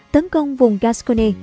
tấn công vùng gascogne